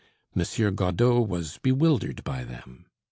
Monsieur Godeau was bewildered by them.